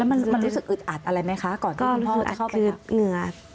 มันรู้สึกอึดอัดอะไรไหมคะก่อนที่คุณพ่อจะเข้าไปยึดเหงื่อ